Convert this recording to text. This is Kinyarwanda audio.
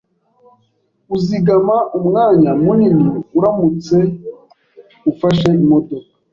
Uzigama umwanya munini uramutse ufashe imodoka